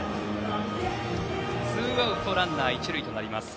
ツーアウトランナー１塁となります。